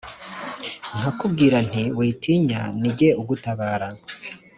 nkakubwira nti «Witinya ! Ni jye ugutabara !